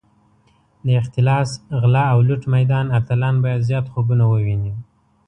د اختلاس، غلا او لوټ میدان اتلان باید زیات خوبونه وویني.